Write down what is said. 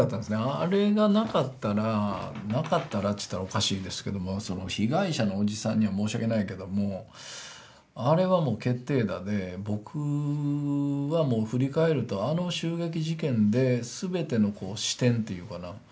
あれがなかったらなかったらちゅったらおかしいですけどもその被害者のおじさんには申し訳ないけどもあれはもう決定打で僕はもう振り返るとざくっと言うとひどい襲撃で。